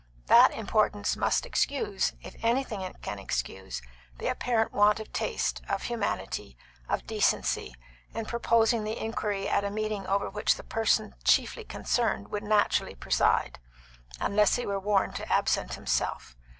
That importance must excuse if anything can excuse the apparent want of taste, of humanity, of decency, in proposing the inquiry at a meeting over which the person chiefly concerned would naturally preside, unless he were warned to absent himself.